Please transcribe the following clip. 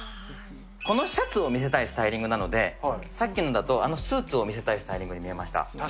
このシャツを見せたいスタイリングなので、さっきのだと、あのスーツを見せたいスタイリングに見えました。